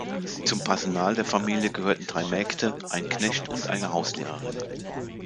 Zum Personal der Familie gehörten drei Mägde, ein Knecht und eine Hauslehrerin.